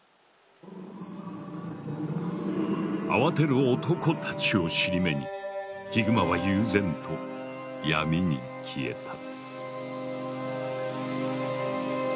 慌てる男たちを尻目にヒグマは悠然と闇に消えた。